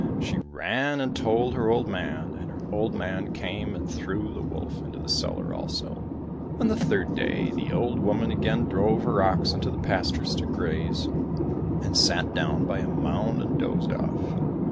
She ran and told her old man, and her old man came and threw the wolf into the cellar also. On the third day the old woman again drove her ox into the pastures to graze, and sat down by a mound and dozed off.